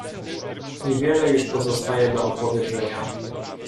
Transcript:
"Niewiele już pozostaje do opowiedzenia."